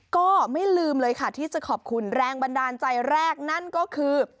ก็ไม่ลืมเลยค่ะที่จะขอบคุณแรงบันดาลใจแรกนั่นก็คือ